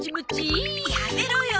やめろよ。